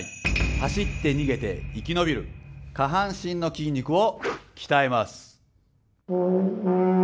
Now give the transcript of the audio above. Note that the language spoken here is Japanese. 走って逃げて生き延びる下半身の筋肉を鍛えます。